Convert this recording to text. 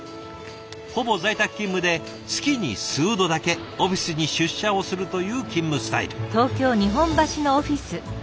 ほぼ在宅勤務で月に数度だけオフィスに出社をするという勤務スタイル。